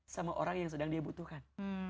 sama orang yang sedang dia butuhkan